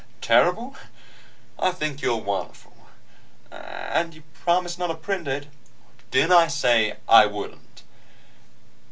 "Terrible? I think you're wonderful!" "And you promise not to print it?" "Didn't I say I wouldn't?"